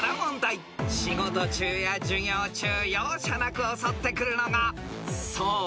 ［仕事中や授業中容赦なく襲ってくるのがそう］